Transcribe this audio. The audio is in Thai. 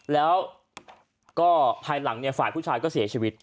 แล้วก็ภายหลังฝ่ายผู้ชายก็เสียชีวิต